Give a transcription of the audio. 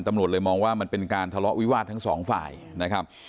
ตำรวจเลยมองว่ามันเป็นการทะเลาะวิวาสทั้งสองฝ่ายนะครับ